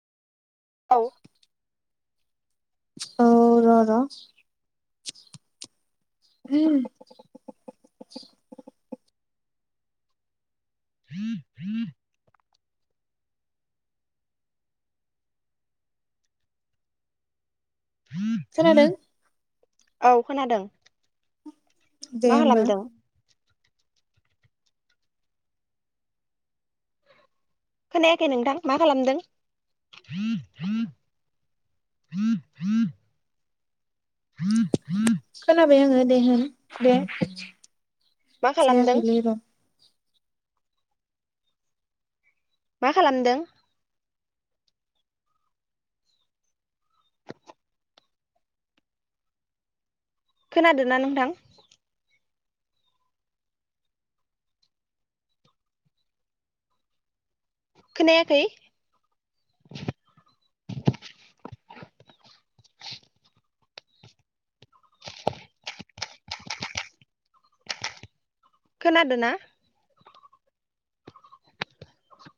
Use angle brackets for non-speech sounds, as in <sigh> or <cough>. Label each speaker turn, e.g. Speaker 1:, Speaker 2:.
Speaker 1: औ
Speaker 2: औ र' र'
Speaker 1: <inaudible>
Speaker 2: खोनादों?
Speaker 1: औ खोनादों।
Speaker 2: दे
Speaker 1: मा
Speaker 2: होमबा
Speaker 1: खालामदों? खोनायाखै नोंथां, मा खालामदों? <inaudible>
Speaker 2: बाय आङो दे होन दे,
Speaker 1: मा खालामदों
Speaker 2: जायाखैलै र'
Speaker 1: मा खालामदों? खोनादों ना नोंथां? खोनायाखै? खोनादों ना?